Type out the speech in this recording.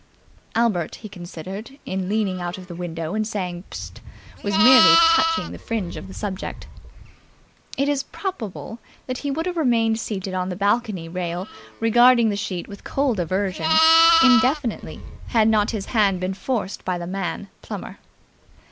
'" Albert, he considered, in leaning out of the window and saying "Psst!" was merely touching the fringe of the subject. It is probable that he would have remained seated on the balcony rail regarding the sheet with cold aversion, indefinitely, had not his hand been forced by the man Plummer.